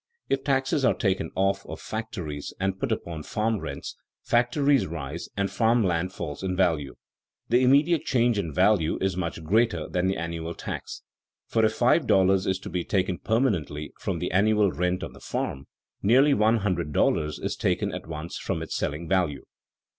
If taxes are taken off of factories and put upon farm rents, factories rise and farm land falls in value. The immediate change in value is much greater than the annual tax, for if five dollars is to be taken permanently from the annual rental of the farm, nearly one hundred dollars is taken at once from its selling value.